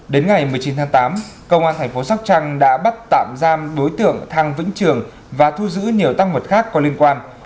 đến ngày một mươi chín tháng tám công an thành phố sóc trăng đã bắt tạm giam đối tượng thang vĩnh trường và thu giữ nhiều tăng vật khác có liên quan